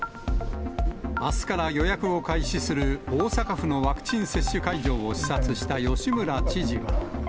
あすから予約を開始する大阪府のワクチン接種会場を視察した吉村知事は。